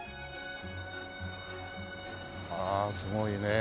ああすごいねえ。